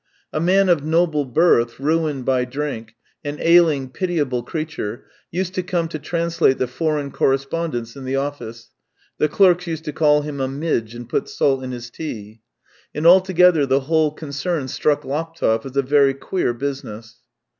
A man of noble birth, ruined by drink, an ailing, pitiful creature, used to come to translate the foreign correspondence in the office; the clerks used to call him a midge, and put salt in his tea. And altogether the whole concern struck Laptev as a very queer business.